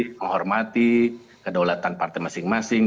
dan juga menghargai kedaulatan partai masing masing